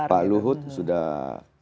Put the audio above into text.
pak luhut sudah